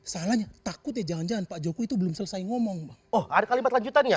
salahnya takut ya jangan jangan pak jokowi itu belum selesai ngomong oh ada kalimat lanjutannya